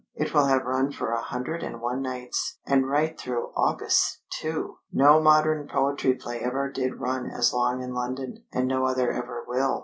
"It will have run for a hundred and one nights. And right through August, too! No modern poetry play ever did run as long in London, and no other ever will.